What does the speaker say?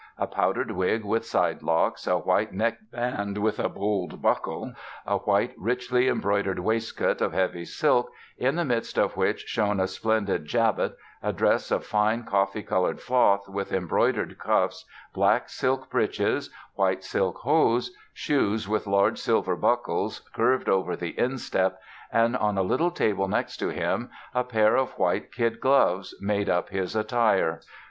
A powdered wig with sidelocks, a white neckband with a bold buckle, a white richly embroidered waistcoat of heavy silk, in the midst of which shone a splendid jabot, a dress of fine coffee colored cloth with embroidered cuffs, black silk breeches, white silk hose, shoes with large silver buckles curved over the instep, and on a little table next to him a pair of white kid gloves made up his attire."